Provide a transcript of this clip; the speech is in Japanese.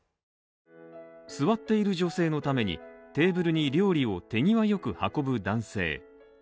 座っている女性のためにテーブルに料理を手際よく運ぶ男性。